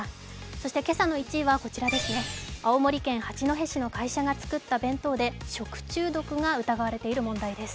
そして今朝の１位はこちらです、青森県八戸市の会社が作った弁当で食中毒が疑われている問題です。